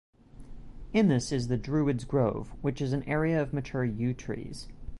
In this is the 'Druids Grove' which is an area of mature Yew trees.